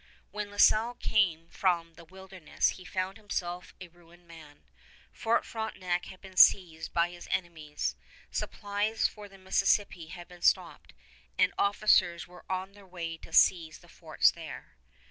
When La Salle came from the wilderness he found himself a ruined man. Fort Frontenac had been seized by his enemies. Supplies for the Mississippi had been stopped, and officers were on their way to seize the forts there.